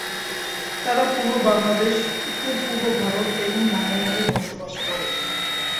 তারা পূর্ব বাংলাদেশ, উত্তর-পূর্ব ভারত এবং মায়ানমারে বসবাস করে।